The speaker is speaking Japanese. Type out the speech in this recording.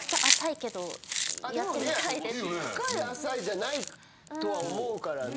深い浅いじゃないとは思うからね。